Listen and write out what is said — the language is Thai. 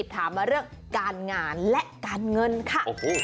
ถามมาเรื่องการงานและการเงินค่ะ